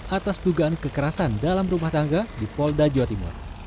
atas dugaan kekerasan dalam rumah tangga di polda jawa timur